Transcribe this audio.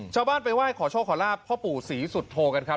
ชาวบ้านไปไหว้ขอโชคขอลาบพ่อปู่ศรีสุโธกันครับ